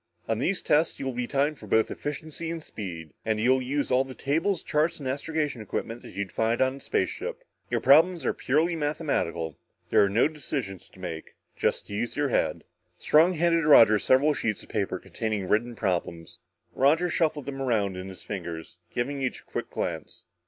"On these tests you will be timed for both efficiency and speed and you'll use all the tables, charts and astrogation equipment that you'd find in a spaceship. Your problems are purely mathematical. There are no decisions to make. Just use your head." Strong handed Roger several sheets of paper containing written problems. Roger shuffled them around in his fingers, giving each a quick glance.